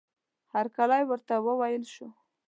هرکلی ورته وویل شو.